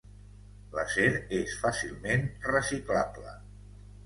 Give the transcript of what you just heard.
L'acer és fàcilment reciclable.